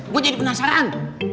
gue jadi penasaran